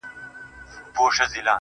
• ما خو پخوا مـسـته شــاعـــري كول.